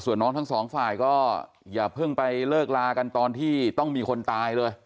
ส่วนน้องทั้งสองฝ่ายก็อย่าเพิ่งไปเลิกลากันตอนที่ต้องมีคนตายเลย